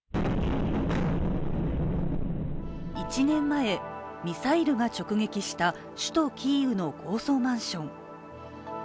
１年前、ミサイルが直撃した首都キーウの高層マンション。